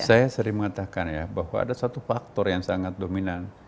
saya sering mengatakan ya bahwa ada satu faktor yang sangat dominan